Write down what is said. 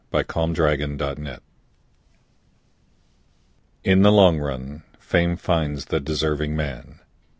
IN THE LONG RUN In the long run fame finds the deserving man.